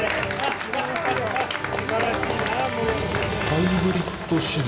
ハイブリッド手術？